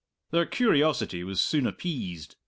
Their curiosity was soon appeased.